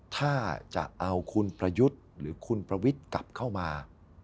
ถ้าจะเอาคุณประยุทธ์หรือคุณประวิทย์กลับเข้ามา